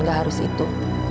gak harus itu